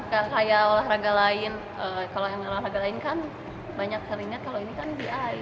kayak olahraga lain kalau olahraga lain kan banyak teringat kalau ini kan di air